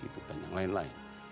dan yang lain lain